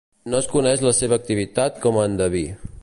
No es coneix la seva activitat com a endeví.